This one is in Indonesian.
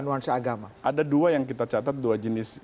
ada dua yang kita catat dua jenis